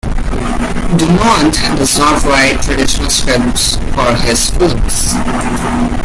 Dumont does not write traditional scripts for his films.